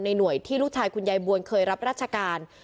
หน่วยที่ลูกชายคุณยายบวนเคยรับราชการ